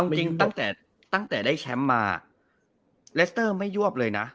ไม่ยอบคือตั้งแต่ตั้งแต่ได้แชมป์มาเลสเตอร์ไม่ยอบเลยนะ